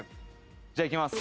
じゃあいきます。